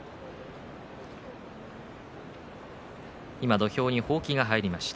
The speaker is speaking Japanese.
土俵に、ほうきが入りました。